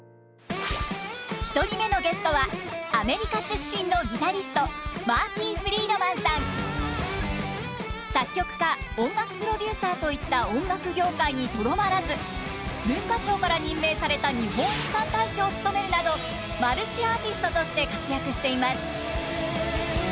１人目のゲストはアメリカ出身の作曲家音楽プロデューサーといった音楽業界にとどまらず文化庁から任命された日本遺産大使を務めるなどマルチアーティストとして活躍しています。